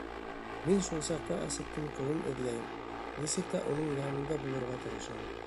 Мин шул саҡта Асеттың ҡулын эҙләйем, нисек тә уның янында булырға тырышам.